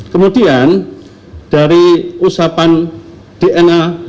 kemudian dari usapan dna yang lain